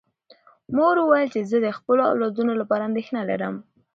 مور وویل چې زه د خپلو اولادونو لپاره اندېښنه لرم.